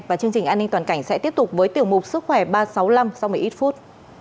và chương trình an ninh toàn cảnh sẽ tiếp tục với tiểu mục sức khỏe ba trăm sáu mươi năm sau một mươi ít phút